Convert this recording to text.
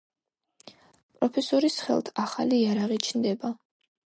პროფესორის ხელთ ახალი იარაღი ჩნდება.